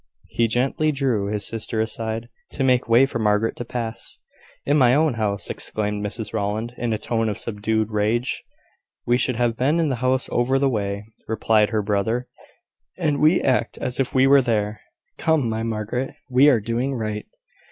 He gently drew his sister aside, to make way for Margaret to pass. "In my own house!" exclaimed Mrs Rowland, in a tone of subdued rage. "We should have been in the house over the way," replied her brother; "and we act as if we were there. Come, my Margaret, we are doing right."